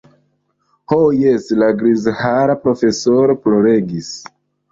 Ho jes, la grizhara profesoro ploregis.